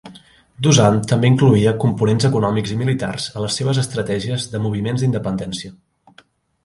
Dosan també incloïa components econòmics i militars a les seves estratègies de moviments d'independència.